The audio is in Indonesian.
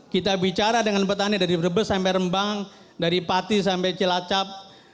kita bicara dengan petani dari brebes sampai rembang dari pati sampai cilacap